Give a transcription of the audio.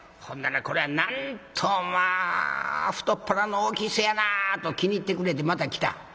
ほんならこれはなんとまあ太っ腹の大きい人やなあと気に入ってくれてまた来た。